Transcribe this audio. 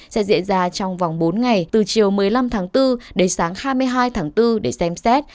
sẽ diễn ra trong vòng bốn ngày từ chiều một mươi năm tháng bốn đến sáng hai mươi hai tháng bốn để xem xét